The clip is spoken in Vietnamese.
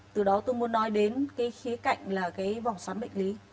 từ đó tôi muốn nói đến khía cạnh là vòng xoắn bệnh lý